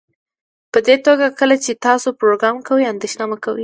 پدې توګه کله چې تاسو پروګرام کوئ اندیښنه مه کوئ